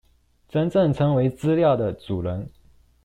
真正成為資料的主人